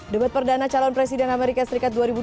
debat perdana calon presiden amerika serikat dua ribu dua puluh